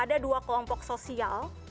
ada dua kelompok sosial